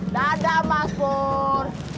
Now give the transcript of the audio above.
dadah mas pur